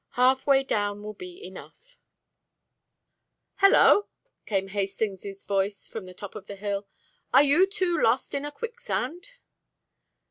Half way down will be enough " "Hallo!" came Hastings's voice from the top of the hill. "Are you two lost in a quicksand?"